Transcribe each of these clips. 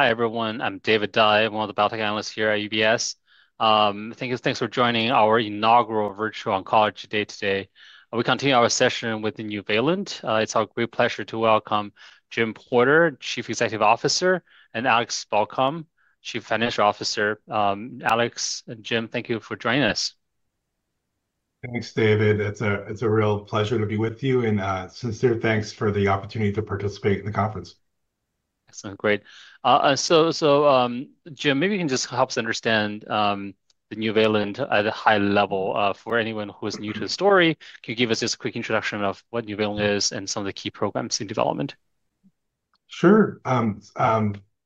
Hi, everyone. I'm David Dai, one of the biotech analysts here at UBS. Thank you. Thanks for joining our inaugural virtual oncology day today. We continue our session with Nuvalent. It's our great pleasure to welcome Jim Porter, Chief Executive Officer, and Alex Balcom, Chief Financial Officer. Alex and Jim, thank you for joining us. Thanks, David. It's a real pleasure to be with you, and sincere thanks for the opportunity to participate in the conference. Excellent. Great. Jim, maybe you can just help us understand Nuvalent at a high level. For anyone who is new to the story, can you give us just a quick introduction of what Nuvalent is and some of the key programs in development? Sure. Nuvalent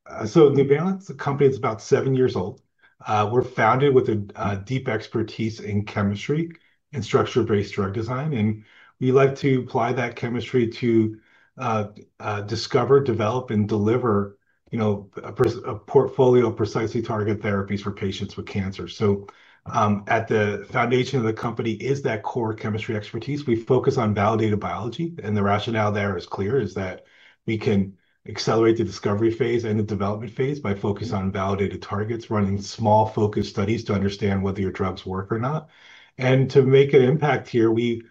Inc is about seven years old. We're founded with a deep expertise in chemistry and structure-based drug design, and we like to apply that chemistry to discover, develop, and deliver a portfolio of precisely targeted therapies for patients with cancer. At the foundation of the company is that core chemistry expertise. We focus on validated biology, and the rationale there is clear, that we can accelerate the discovery phase and the development phase by focusing on validated targets, running small focus studies to understand whether your drugs work or not. To make an impact here, we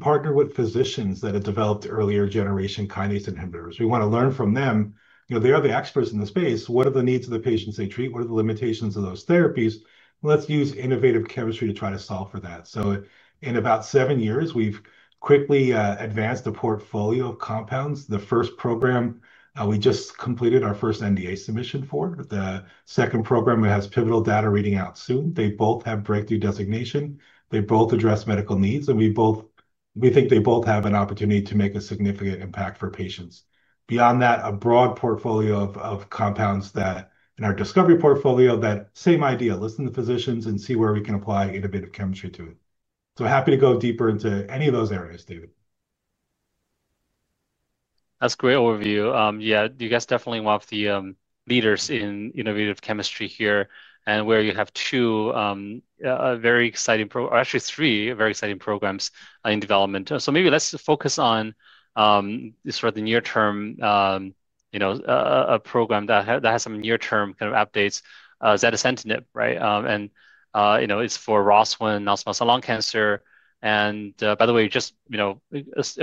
partnered with physicians that had developed earlier generation kinase inhibitors. We want to learn from them. They are the experts in the space. What are the needs of the patients they treat? What are the limitations of those therapies? Let's use innovative chemistry to try to solve for that. In about seven years, we've quickly advanced the portfolio of compounds. The first program, we just completed our first NDA submission for. The second program has pivotal data reading out soon. They both have breakthrough designation. They both address medical needs, and we think they both have an opportunity to make a significant impact for patients. Beyond that, a broad portfolio of compounds in our discovery portfolio, that same idea, listen to physicians and see where we can apply innovative chemistry to it. Happy to go deeper into any of those areas, David. That's a great overview. Yeah, you guys are definitely one of the leaders in innovative chemistry here, and you have two very exciting programs, actually three very exciting programs in development. Maybe let's focus on sort of the near-term, you know, a program that has some near-term kind of updates. Zetacentenib, right? It's for ROS1-positive non-small cell lung cancer. By the way, just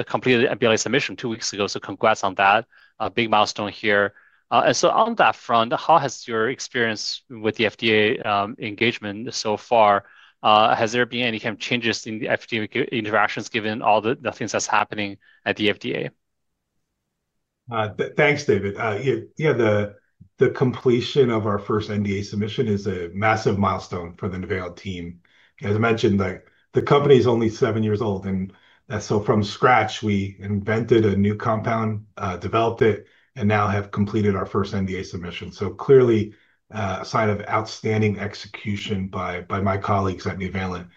completed an NDA submission two weeks ago. Congrats on that. A big milestone here. On that front, how has your experience with the FDA engagement been so far? Has there been any kind of changes in the FDA interactions, given all the things that are happening at the FDA? Thanks, David. Yeah, the completion of our first NDA submission is a massive milestone for the Nuvalent team. As I mentioned, the company is only seven years old, and from scratch, we invented a new compound, developed it, and now have completed our first NDA submission. Clearly a sign of outstanding execution by my colleagues at Nuvalent.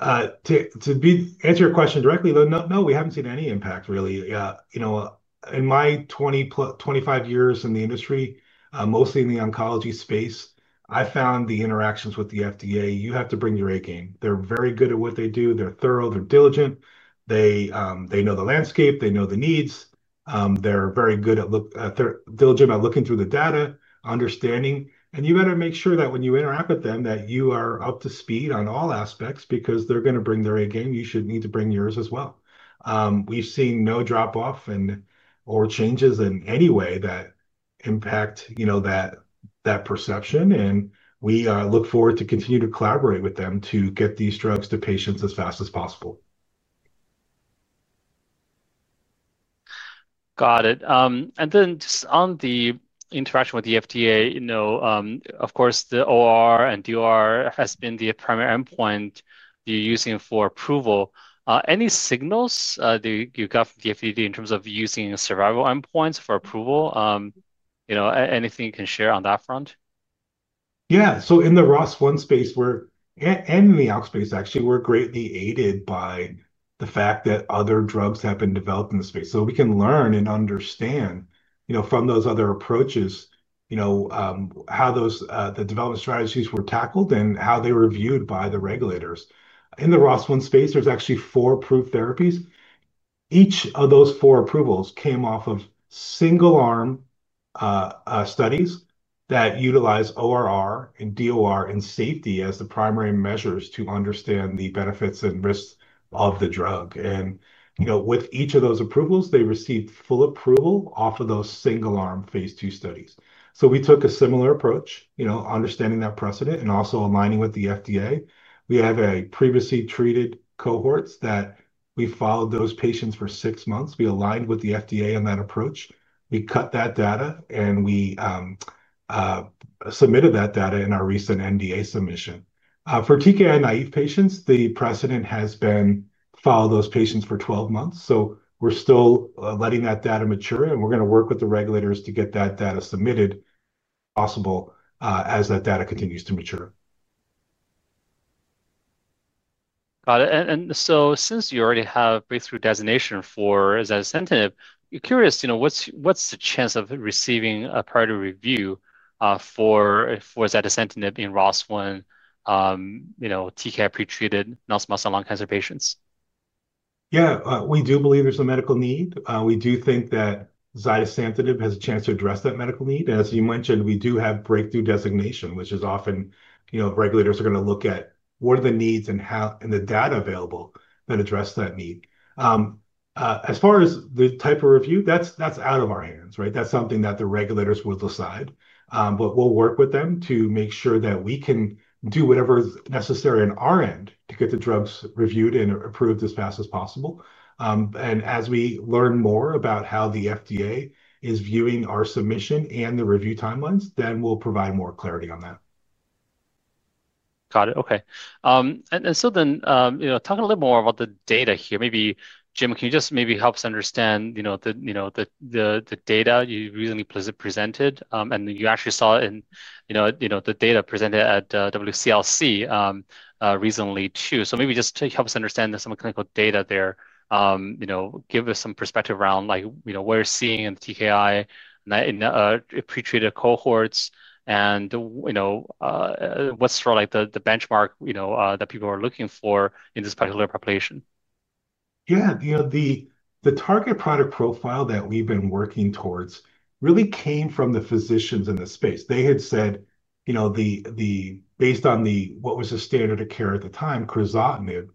To answer your question directly, no, we haven't seen any impact, really. In my 20+ 25 years in the industry, mostly in the oncology space, I found the interactions with the FDA, you have to bring your A-game. They're very good at what they do. They're thorough. They're diligent. They know the landscape. They know the needs. They're very good at looking at, they're diligent about looking through the data, understanding. You better make sure that when you interact with them, that you are up to speed on all aspects, because they're going to bring their A-game. You need to bring yours as well. We've seen no drop-off or changes in any way that impact that perception, and we look forward to continuing to collaborate with them to get these drugs to patients as fast as possible. Got it. Just on the interaction with the FDA, you know, of course, the OR and DOR has been the primary endpoint you're using for approval. Any signals that you got from the FDA in terms of using survival endpoints for approval? You know, anything you can share on that front? Yeah. In the ROS1 space and in the ALK space, actually, we're greatly aided by the fact that other drugs have been developed in the space. We can learn and understand from those other approaches how those development strategies were tackled and how they were viewed by the regulators. In the ROS1 space, there's actually four approved therapies. Each of those four approvals came off of single-arm studies that utilize ORR and DOR and safety as the primary measures to understand the benefits and risks of the drug. With each of those approvals, they received full approval off of those single-arm phase II studies. We took a similar approach, understanding that precedent and also aligning with the FDA. We have a previously treated cohort that we followed for six months. We aligned with the FDA on that approach. We cut that data, and we submitted that data in our recent NDA submission. For TKI naive patients, the precedent has been to follow those patients for 12 months. We're still letting that data mature, and we're going to work with the regulators to get that data submitted as possible as that data continues to mature. Got it. Since you already have breakthrough designation for Zetacentenib, curious, you know, what's the chance of receiving a priority review for Zetacentenib in ROS1, you know, TKI pretreated non-small cell lung cancer patients? Yeah, we do believe there's a medical need. We do think that Zetacentenib has a chance to address that medical need. As you mentioned, we do have breakthrough designation, which is often, you know, regulators are going to look at what are the needs and how in the data available to address that need. As far as the type of review, that's out of our hands, right? That's something that the regulators will decide. We will work with them to make sure that we can do whatever is necessary on our end to get the drugs reviewed and approved as fast as possible. As we learn more about how the FDA is viewing our submission and the review timelines, then we'll provide more clarity on that. Got it. OK. Talk a little bit more about the data here. Maybe, Jim, can you just maybe help us understand the data you recently presented? You actually saw it in the data presented at WCLC recently, too. Maybe just help us understand some clinical data there. Give us some perspective around what we're seeing in TKI in pretreated cohorts, and what's sort of like the benchmark that people are looking for in this particular population. Yeah. You know, the target product profile that we've been working towards really came from the physicians in the space. They had said, you know, based on what was the standard of care at the time, crizotinib,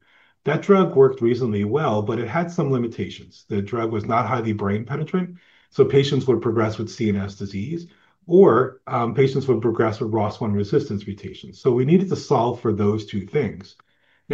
that drug worked reasonably well, but it had some limitations. The drug was not highly brain penetrant, so patients would progress with CNS disease, or patients would progress with ROS1 resistance mutations. We needed to solve for those two things.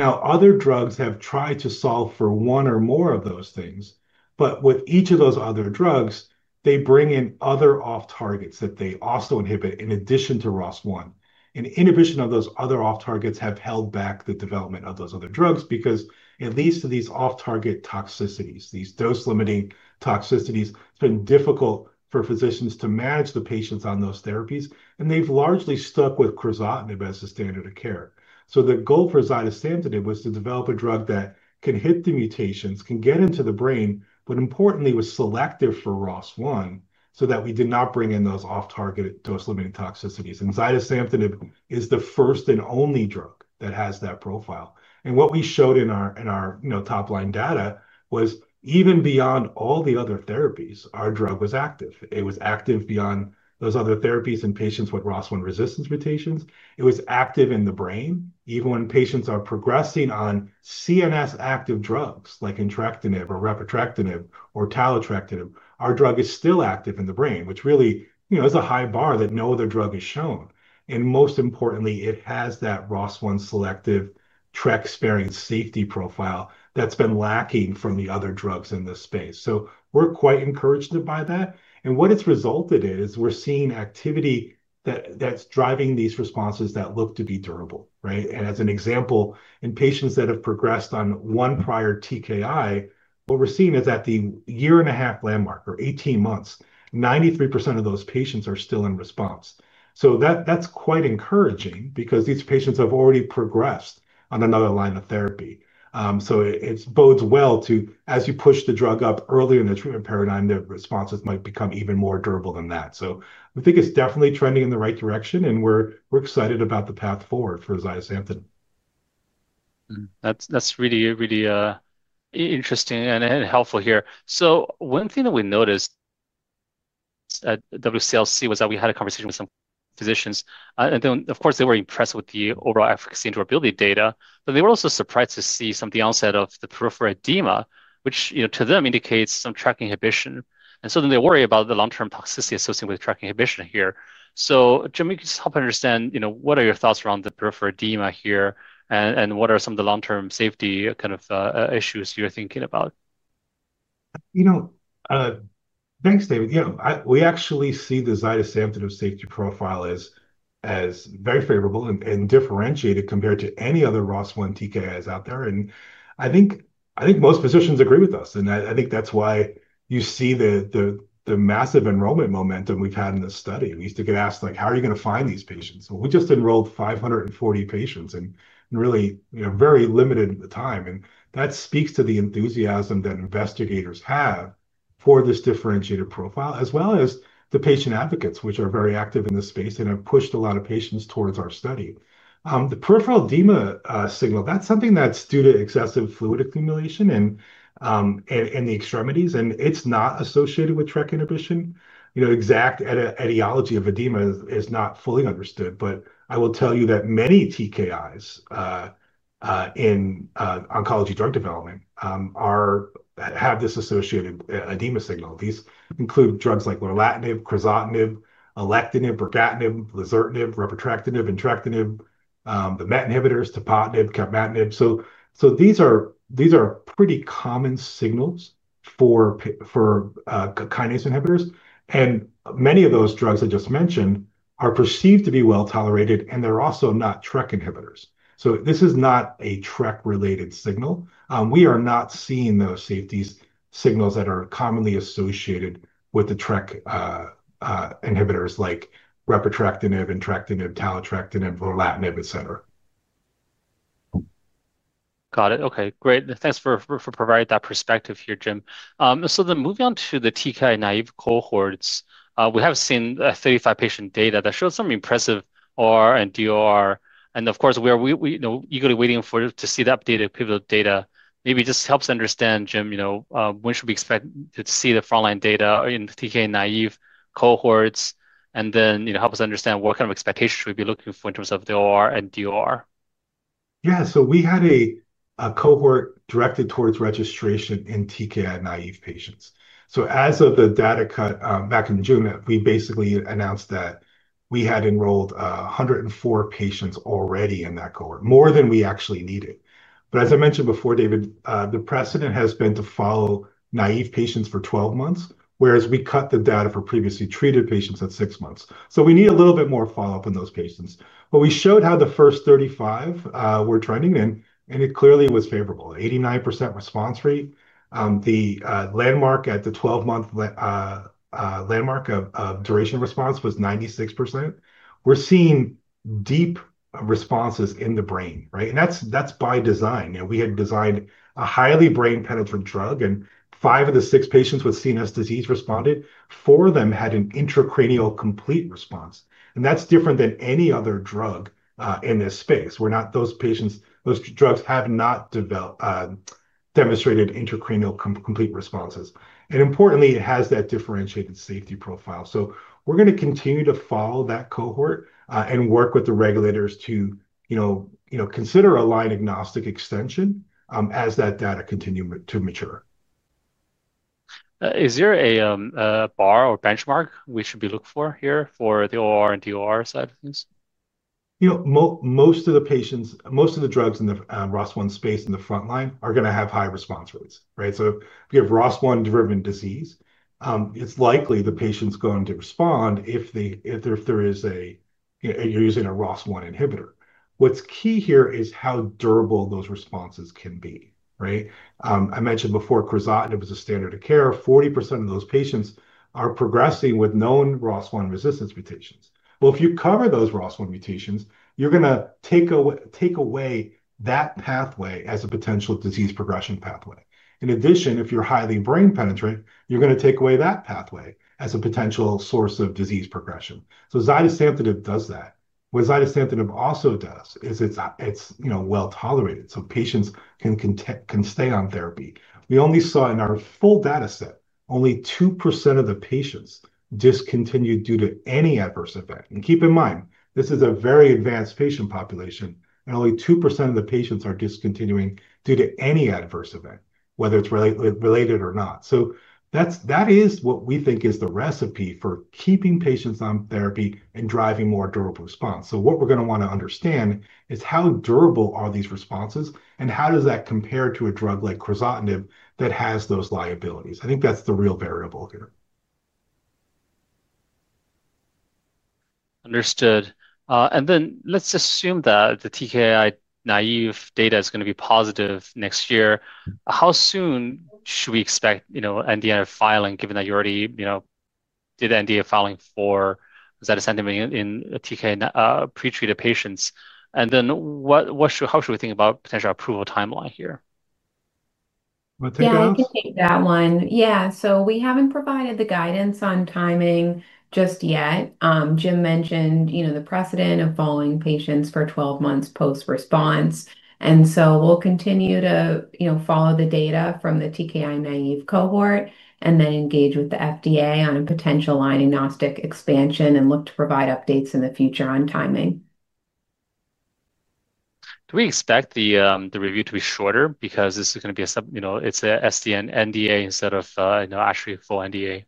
Other drugs have tried to solve for one or more of those things, but with each of those other drugs, they bring in other off-targets that they also inhibit in addition to ROS1. Inhibition of those other off-targets has held back the development of those other drugs, because it leads to these off-target toxicities, these dose-limiting toxicities. It's been difficult for physicians to manage the patients on those therapies, and they've largely stuck with crizotinib as the standard of care. The goal for Zetacentenib was to develop a drug that can hit the mutations, can get into the brain, but importantly, was selective for ROS1, so that we did not bring in those off-target dose-limiting toxicities. Zetacentenib is the first and only drug that has that profile. What we showed in our top-line data was, even beyond all the other therapies, our drug was active. It was active beyond those other therapies in patients with ROS1 resistance mutations. It was active in the brain. Even when patients are progressing on CNS-active drugs, like entrectinib or repatrectinib or talotrectinib, our drug is still active in the brain, which really is a high bar that no other drug has shown. Most importantly, it has that ROS1 selective tract-sparing safety profile that's been lacking from the other drugs in this space. We're quite encouraged by that. What it's resulted in is we're seeing activity that's driving these responses that look to be durable, right? As an example, in patients that have progressed on one prior TKI, what we're seeing is at the year-and-a-half landmark or 18 months, 93% of those patients are still in response. That's quite encouraging, because these patients have already progressed on another line of therapy. It bodes well to, as you push the drug up earlier in the treatment paradigm, their responses might become even more durable than that. I think it's definitely trending in the right direction, and we're excited about the path forward for Zetacentenib. That's really, really interesting and helpful here. One thing that we noticed at WCLC was that we had a conversation with some physicians. Of course, they were impressed with the overall efficacy and durability data, but they were also surprised to see some of the onset of the peripheral edema, which, you know, to them indicates some tract inhibition. They worry about the long-term toxicity associated with tract inhibition here. Jim, can you just help understand, you know, what are your thoughts around the peripheral edema here, and what are some of the long-term safety kind of issues you're thinking about? You know, thanks, David. Yeah, we actually see the Zetacentenib safety profile as very favorable and differentiated compared to any other ROS1 TKIs out there. I think most physicians agree with us. I think that's why you see the massive enrollment momentum we've had in this study. We used to get asked, like, how are you going to find these patients? We just enrolled 540 patients in really, you know, very limited time. That speaks to the enthusiasm that investigators have for this differentiated profile, as well as the patient advocates, which are very active in this space and have pushed a lot of patients towards our study. The peripheral edema signal, that's something that's due to excessive fluid accumulation in the extremities, and it's not associated with tract inhibition. The exact etiology of edema is not fully understood, but I will tell you that many TKIs in oncology drug development have this associated edema signal. These include drugs like lorlatinib, crizotinib, alectinib, brigatinib, lezertinib, repotrectinib, entrectinib, the MET inhibitors, tepotinib, capmatinib. These are pretty common signals for kinase inhibitors. Many of those drugs I just mentioned are perceived to be well tolerated, and they're also not tract inhibitors. This is not a tract-related signal. We are not seeing those safety signals that are commonly associated with the tract inhibitors like repotrectinib, entrectinib, talotrectinib, lorlatinib, et cetera. Got it. OK, great. Thanks for providing that perspective here, Jim. Moving on to the TKI naive cohorts, we have seen 35 patient data that shows some impressive OR and DOR. Of course, we are eagerly waiting to see the updated pivotal data. Maybe just help us understand, Jim, when should we expect to see the frontline data in TKI naive cohorts, and help us understand what kind of expectations should we be looking for in terms of the OR and DOR? Yeah. We had a cohort directed towards registration in TKI naive patients. As of the data cut back in June, we basically announced that we had enrolled 104 patients already in that cohort, more than we actually needed. As I mentioned before, David, the precedent has been to follow naive patients for 12 months, whereas we cut the data for previously treated patients at six months. We need a little bit more follow-up on those patients. We showed how the first 35 were trending, and it clearly was favorable, 89% response rate. The 12-month landmark of duration response was 96%. We're seeing deep responses in the brain, right? That's by design. We had designed a highly brain penetrant drug, and five of the six patients with CNS disease responded. Four of them had an intracranial complete response. That's different than any other drug in this space. Those drugs have not demonstrated intracranial complete responses. Importantly, it has that differentiated safety profile. We're going to continue to follow that cohort and work with the regulators to consider a line agnostic extension as that data continues to mature. Is there a bar or benchmark we should be looking for here for the OR and DOR side of things? You know, most of the patients, most of the drugs in the ROS1 space in the frontline are going to have high response rates, right? If you have ROS1-driven disease, it's likely the patient's going to respond if there is a, you know, you're using a ROS1 inhibitor. What's key here is how durable those responses can be, right? I mentioned before, crizotinib was a standard of care. 40% of those patients are progressing with known ROS1 resistance mutations. If you cover those ROS1 mutations, you're going to take away that pathway as a potential disease progression pathway. In addition, if you're highly brain penetrant, you're going to take away that pathway as a potential source of disease progression. Zetacentenib does that. What Zetacentenib also does is it's, you know, well tolerated, so patients can stay on therapy. We only saw in our full data set only 2% of the patients discontinued due to any adverse event. Keep in mind, this is a very advanced patient population, and only 2% of the patients are discontinuing due to any adverse event, whether it's related or not. That is what we think is the recipe for keeping patients on therapy and driving more durable response. What we're going to want to understand is how durable are these responses, and how does that compare to a drug like crizotinib that has those liabilities? I think that's the real variable here. Understood. Let's assume that the TKI naive data is going to be positive next year. How soon should we expect, you know, NDA filing, given that you already, you know, did the NDA filing for Zetacentenib in TKI pretreated patients? What should, how should we think about potential approval timeline here? I can take that one. We haven't provided the guidance on timing just yet. Jim mentioned the precedent of following patients for 12 months post-response. We'll continue to follow the data from the TKI naive cohort and then engage with the FDA on a potential line agnostic expansion and look to provide updates in the future on timing. Do we expect the review to be shorter? Because this is going to be a, you know, it's an sNDA instead of, you know, actually a full NDA.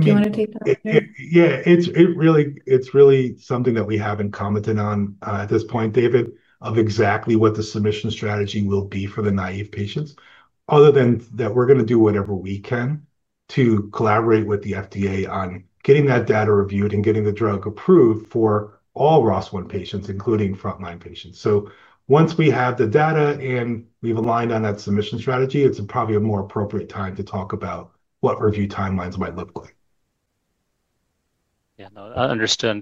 Do you want to take that one? Yeah. It's really something that we haven't commented on at this point, David, of exactly what the submission strategy will be for the naive patients, other than that we're going to do whatever we can to collaborate with the FDA on getting that data reviewed and getting the drug approved for all ROS1 patients, including frontline patients. Once we have the data and we've aligned on that submission strategy, it's probably a more appropriate time to talk about what review timelines might look like. Yeah, understood.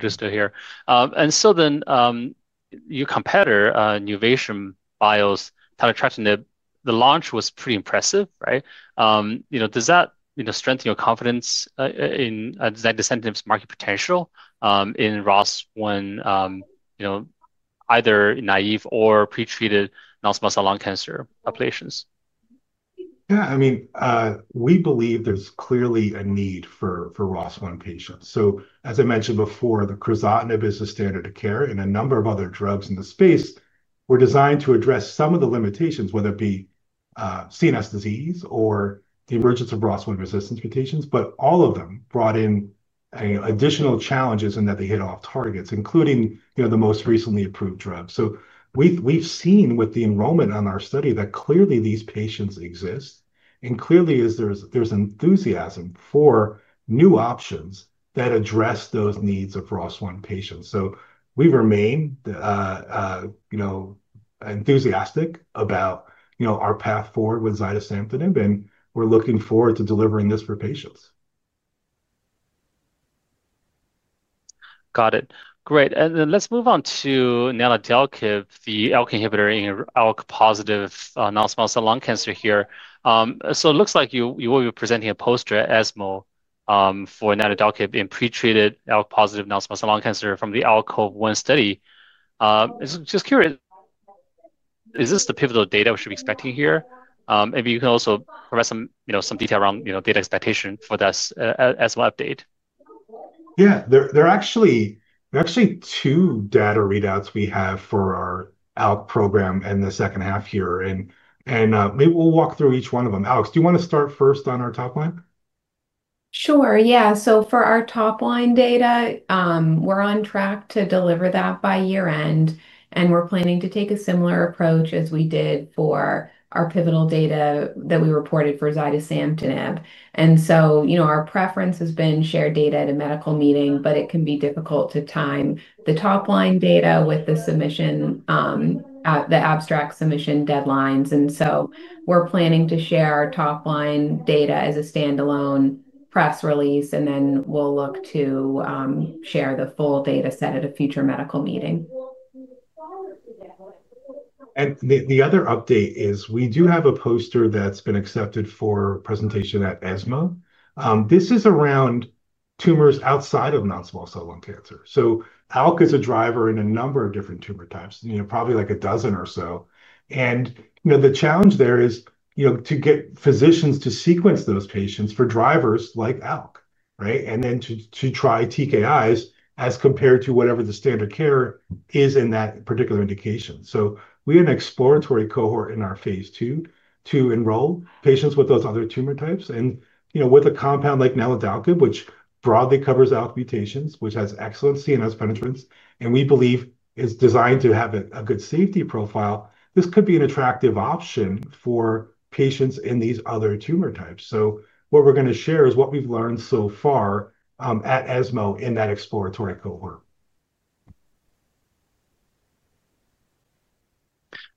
Your competitor, Nuvation Bio's talatretinib, the launch was pretty impressive, right? Does that strengthen your confidence in Zetacentenib's market potential in ROS1, either naive or pretreated non-small cell lung cancer populations? Yeah. I mean, we believe there's clearly a need for ROS1 patients. As I mentioned before, crizotinib is a standard of care, and a number of other drugs in the space were designed to address some of the limitations, whether it be CNS disease or the emergence of ROS1 resistance mutations. All of them brought in additional challenges in that they hit off targets, including, you know, the most recently approved drugs. We've seen with the enrollment on our study that clearly these patients exist, and clearly there's enthusiasm for new options that address those needs of ROS1 patients. We remain, you know, enthusiastic about, you know, our path forward with Zetacentenib, and we're looking forward to delivering this for patients. Got it. Great. Let's move on to nanodelcub, the ALK inhibitor in ALK-positive non-small cell lung cancer here. It looks like you will be presenting a poster at ESMO for nanodelcub in pretreated ALK-positive non-small cell lung cancer from the ALKOV1 study. Just curious, is this the pivotal data we should be expecting here? Maybe you can also provide some detail around data expectation for this ESMO update. Yeah. There are actually two data readouts we have for our ALK program in the second half here, and maybe we'll walk through each one of them. Alex, do you want to start first on our top line? Sure. Yeah. For our top line data, we're on track to deliver that by year-end, and we're planning to take a similar approach as we did for our pivotal data that we reported for Zetacentenib. Our preference has been shared data at a medical meeting, but it can be difficult to time the top line data with the abstract submission deadlines. We're planning to share our top line data as a standalone press release, and then we'll look to share the full data set at a future medical meeting. The other update is we do have a poster that's been accepted for presentation at ESMO. This is around tumors outside of non-small cell lung cancer. ALK is a driver in a number of different tumor types, probably like a dozen or so. The challenge there is to get physicians to sequence those patients for drivers like ALK, right? Then to try TKIs as compared to whatever the standard of care is in that particular indication. We had an exploratory cohort in our phase II to enroll patients with those other tumor types. With a compound like nanodelcub, which broadly covers ALK mutations, which has excellent CNS penetration, and we believe is designed to have a good safety profile, this could be an attractive option for patients in these other tumor types. We are going to share what we've learned so far at ESMO in that exploratory cohort.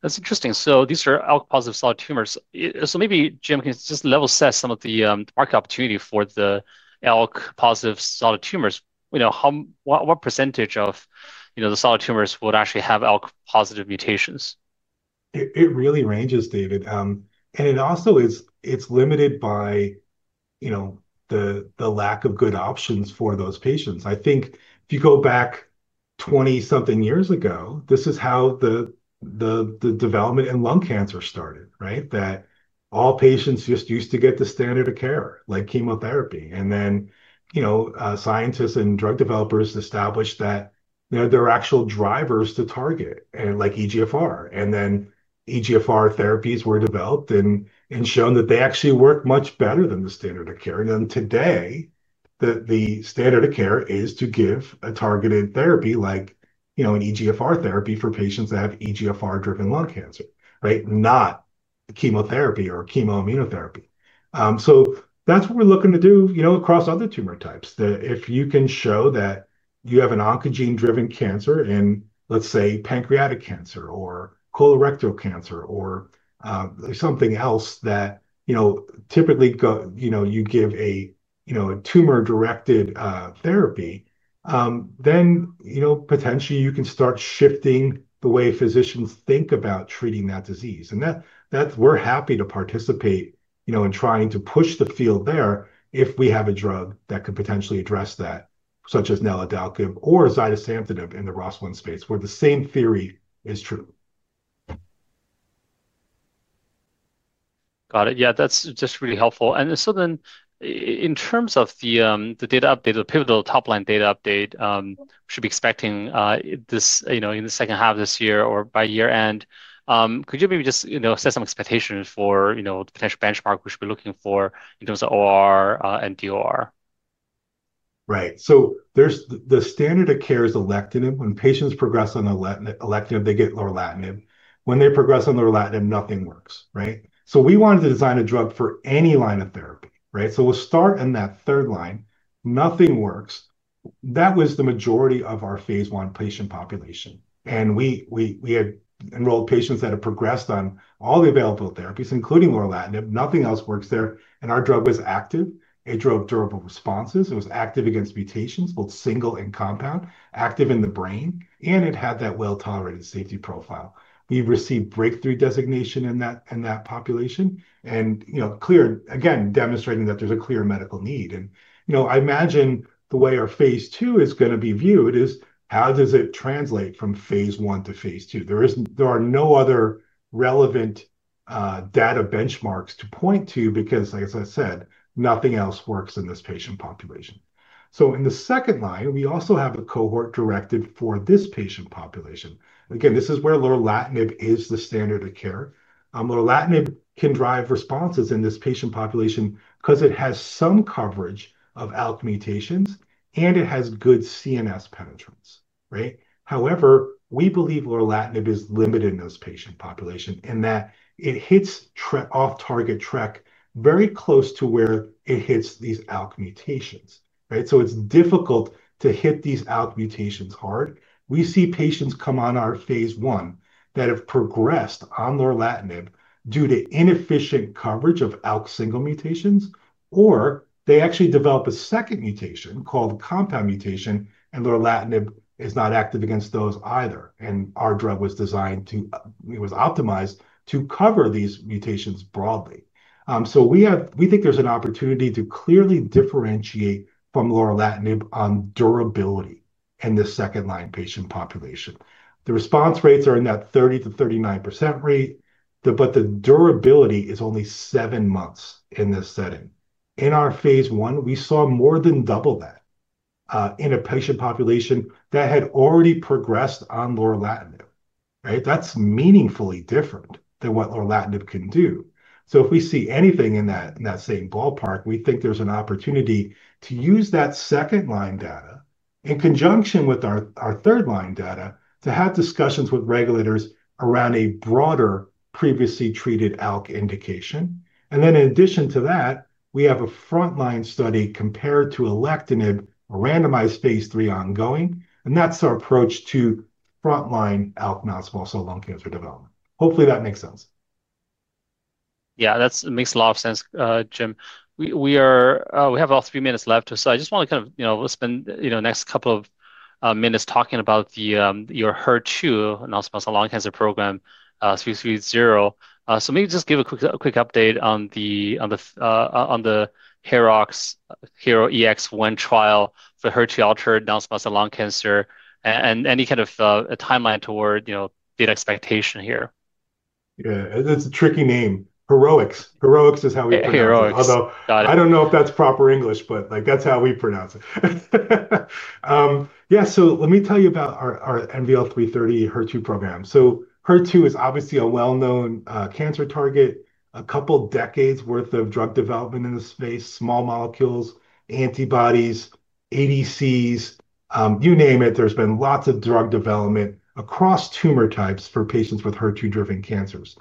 That's interesting. These are ALK-positive solid tumors. Maybe, Jim, can you just level set some of the market opportunity for the ALK-positive solid tumors? What % of the solid tumors will actually have ALK-positive mutations? It really ranges, David. It also is limited by the lack of good options for those patients. I think if you go back 20-something years ago, this is how the development in lung cancer started, right? All patients just used to get the standard of care, like chemotherapy. Scientists and drug developers established that there are actual drivers to target, like EGFR. EGFR therapies were developed and shown that they actually work much better than the standard of care. Today, the standard of care is to give a targeted therapy, like an EGFR therapy for patients that have EGFR-driven lung cancer, right? Not chemotherapy or chemoimmunotherapy. That is what we're looking to do across other tumor types. If you can show that you have an oncogene-driven cancer in, let's say, pancreatic cancer or colorectal cancer or something else that typically you give a tumor-directed therapy, then potentially you can start shifting the way physicians think about treating that disease. We are happy to participate in trying to push the field there if we have a drug that could potentially address that, such as nanodelcub or Zetacentenib in the ROS1 space, where the same theory is true. Got it. Yeah, that's just really helpful. In terms of the data update, the pivotal top line data update, we should be expecting this in the second half of this year or by year-end. Could you maybe just set some expectations for the potential benchmark we should be looking for in terms of OR and DOR? Right. The standard of care is alectinib. When patients progress on alectinib, they get lorlatinib. When they progress on lorlatinib, nothing works, right? We wanted to design a drug for any line of therapy, right? We'll start in that third line. Nothing works. That was the majority of our phase I patient population. We had enrolled patients that had progressed on all the available therapies, including lorlatinib. Nothing else works there. Our drug was active. It drove durable responses. It was active against mutations, both single and compound, active in the brain, and it had that well-tolerated safety profile. We received breakthrough designation in that population, demonstrating that there's a clear medical need. I imagine the way our phase II is going to be viewed is, how does it translate from phase I to phase II? There are no other relevant data benchmarks to point to, because, as I said, nothing else works in this patient population. In the second line, we also have a cohort directed for this patient population. This is where lorlatinib is the standard of care. Lorlatinib can drive responses in this patient population because it has some coverage of ALK mutations, and it has good CNS penetration, right? However, we believe lorlatinib is limited in this patient population in that it hits off-target tract very close to where it hits these ALK mutations, right? It's difficult to hit these ALK mutations hard. We see patients come on our phase I that have progressed on lorlatinib due to inefficient coverage of ALK single mutations, or they actually develop a second mutation called compound mutation, and lorlatinib is not active against those either. Our drug was designed to, it was optimized to cover these mutations broadly. We think there's an opportunity to clearly differentiate from lorlatinib on durability in the second-line patient population. The response rates are in that 30%-39% range, but the durability is only seven months in this setting. In our phase I, we saw more than double that in a patient population that had already progressed on lorlatinib, right? That's meaningfully different than what lorlatinib can do. If we see anything in that same ballpark, we think there's an opportunity to use that second-line data in conjunction with our third-line data to have discussions with regulators around a broader previously treated ALK indication. In addition to that, we have a front-line study compared to alectinib, randomized phase III ongoing. That's our approach to front-line ALK non-small cell lung cancer development. Hopefully, that makes sense. Yeah, that makes a lot of sense, Jim. We have about three minutes left. I just want to spend the next couple of minutes talking about your HER2-altered non-small cell lung cancer program. Maybe just give a quick update on the NVL-330 trial for HER2-altered non-small cell lung cancer and any kind of timeline toward data expectation here. Yeah, that's a tricky name. Heroics. Heroics is how we pronounce it. Although, I don't know if that's proper English, but that's how we pronounce it. Yeah. Let me tell you about our NVL-330 HER2 program. HER2 is obviously a well-known cancer target, a couple decades' worth of drug development in the space, small molecules, antibodies, ADCs, you name it. There's been lots of drug development across tumor types for patients with HER2-driven cancers.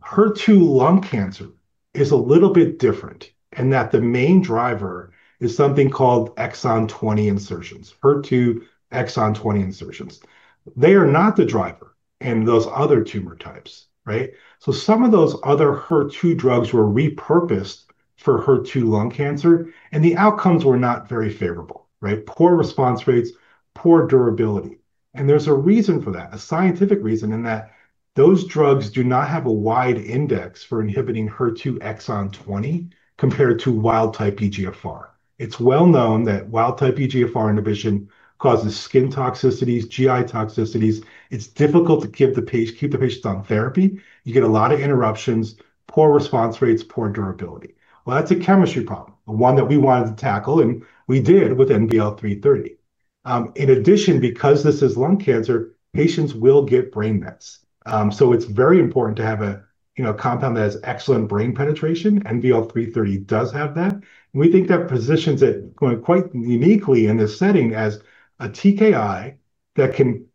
HER2 lung cancer is a little bit different in that the main driver is something called exon 20 insertions, HER2 exon 20 insertions. They are not the driver in those other tumor types, right? Some of those other HER2 drugs were repurposed for HER2 lung cancer, and the outcomes were not very favorable, right? Poor response rates, poor durability. There's a reason for that, a scientific reason, in that those drugs do not have a wide index for inhibiting HER2 exon 20 compared to wild-type EGFR. It's well known that wild-type EGFR inhibition causes skin toxicities, GI toxicities. It's difficult to keep the patients on therapy. You get a lot of interruptions, poor response rates, poor durability. That's a chemistry problem, one that we wanted to tackle, and we did with NVL-330. In addition, because this is lung cancer, patients will get brain mets. It's very important to have a compound that has excellent brain penetration. NVL-330 does have that. We think that positions it quite uniquely in this setting as a TKI that can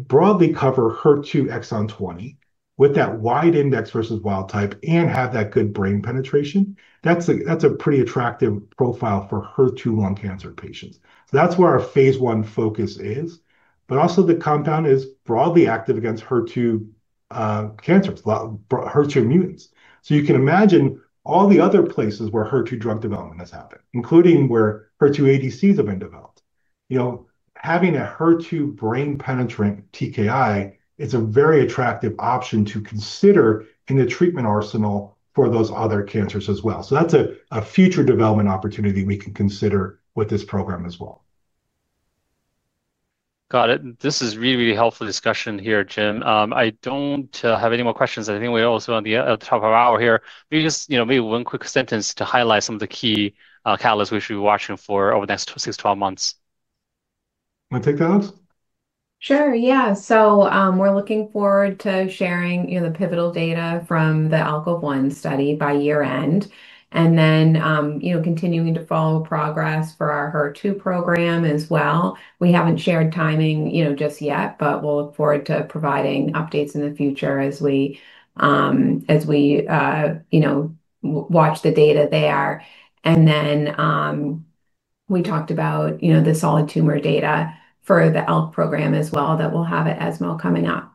broadly cover HER2 exon 20 with that wide index versus wild type and have that good brain penetration. That's a pretty attractive profile for HER2 lung cancer patients. That's where our phase I focus is. The compound is broadly active against HER2 cancers, HER2 immunes. You can imagine all the other places where HER2 drug development has happened, including where HER2 ADCs have been developed. You know, having a HER2 brain penetrant TKI is a very attractive option to consider in the treatment arsenal for those other cancers as well. That's a future development opportunity we can consider with this program as well. Got it. This is really, really helpful discussion here, Jim. I don't have any more questions. I think we're almost on the top of our hour here. Maybe just one quick sentence to highlight some of the key catalysts we should be watching for over the next 6-12 months. Want to take that, Alex? Sure. Yeah. We're looking forward to sharing the pivotal data from the ALKOV1 study by year-end, and then continuing to follow progress for our HER2 program as well. We haven't shared timing just yet, but we'll look forward to providing updates in the future as we watch the data there. We talked about the solid tumor data for the ALK program as well that we'll have at ESMO coming up.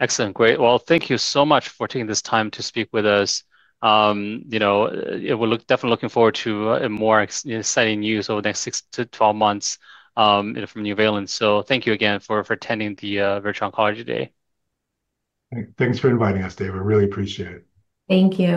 Excellent. Great. Thank you so much for taking this time to speak with us. You know, we're definitely looking forward to more exciting news over the next 6-12 months from Nuvalent. Thank you again for attending the virtual oncology day. Thanks for inviting us, David. Really appreciate it. Thank you.